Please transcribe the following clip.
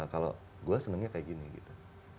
kalau saya senangnya seperti ini